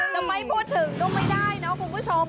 จะไม่พูดถึงก็ไม่ได้นะคุณผู้ชม